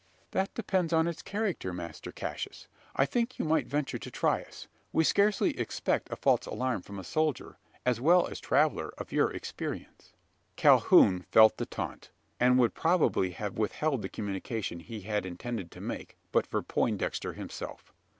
"That depends on its character, Master Cassius. I think you might venture to try us. We scarcely expect a false alarm from a soldier, as well as traveller, of your experience." Calhoun felt the taunt; and would probably have withheld the communication he had intended to make, but for Poindexter himself.